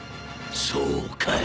そうかい。